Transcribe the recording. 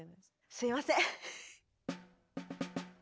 すいません。